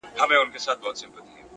چي په رګونو کی ساه وچلوي!